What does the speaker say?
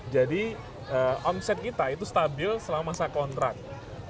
jadi omset kita itu stabil selama masing masing